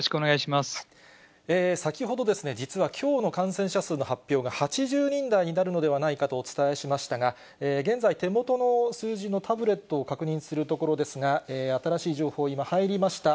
先ほど、実はきょうの感染者数の発表が８０人台になるのではないかとお伝えしましたが、現在、手元の数字のタブレットを確認するところですが、新しい情報、今入りました。